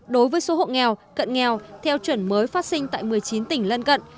đối với số hộ nghèo cận nghèo theo chuẩn mới phát sinh tại một mươi chín tỉnh lân cận